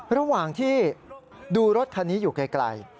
ระหว่างที่ดูรถคันนี้อยู่ไกล